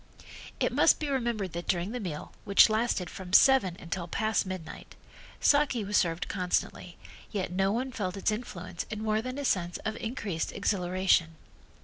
It must be remembered that during the meal, which lasted from seven until past midnight, saki was served constantly yet no one felt its influence in more than a sense of increased exhilaration.